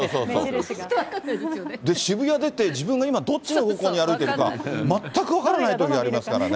渋谷出て、今自分がどっちの方向に歩いてるか、全く分からないときがありますからね。